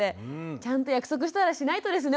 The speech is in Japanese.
ちゃんと約束したらしないとですね